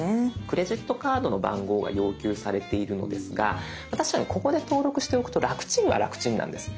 クレジットカードの番号が要求されているのですが確かにここで登録しておくと楽ちんは楽ちんなんです。